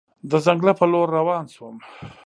د ځنګله په لور روان شوم.